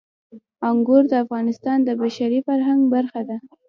انګور د افغانستان د بشري فرهنګ برخه ده.